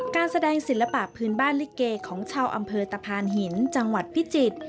การแสดงศิลปะพื้นบ้านลิเกของชาวอำเภอตะพานหินจังหวัดพิจิตร